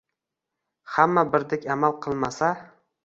Hamma birdek amal qilmasa.